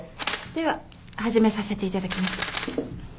では始めさせていただきます。